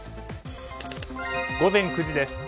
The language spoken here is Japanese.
午前９時です。